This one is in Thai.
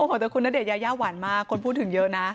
โอ้โหแต่คุณณเดชนยายาหวานมากคนพูดถึงเยอะนะ